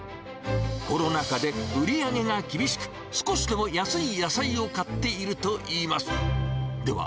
コロナ禍で売り上げが厳しく、少しでも安い野菜を買っているといいます。